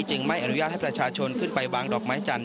ไม่อนุญาตให้ประชาชนขึ้นไปวางดอกไม้จันท